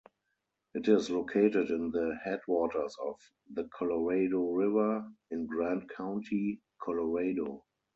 It is located in the headwaters of the Colorado River in Grand County, Colorado.